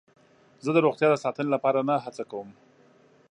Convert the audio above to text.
زه د روغتیا د ساتنې لپاره نه هڅه کوم.